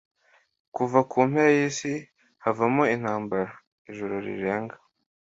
Kuva ku mpera y'isi havamo intambara; ijoro rirenga,